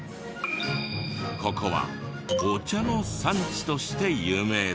ここはお茶の産地として有名で。